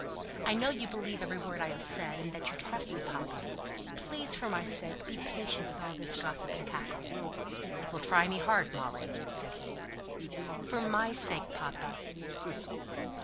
I know you believe every word I have said, and that you trust me, papa. Please, for my sake, be patient with all this gossip and cackle." "It will try me hard, Molly," said he. "For my sake, papa!"